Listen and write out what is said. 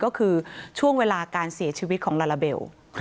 ก็คือช่วงเวลาการเสียชีวิตของลาลาเบล